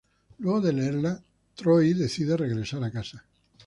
Luego de leerla, Troy decide regresar a casa.